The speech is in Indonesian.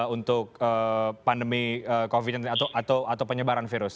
untuk pandemi covid sembilan belas atau penyebaran virus